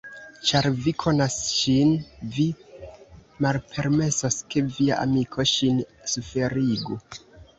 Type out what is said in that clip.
Ĉar vi konas ŝin, vi malpermesos, ke via amiko ŝin suferigu.